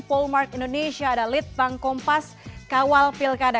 polmark indonesia ada litbang kompas kawal pilkada